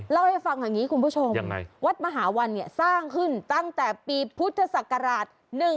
เล่าให้ฟังอย่างนี้คุณผู้ชมยังไงวัดมหาวันเนี่ยสร้างขึ้นตั้งแต่ปีพุทธศักราช๑๔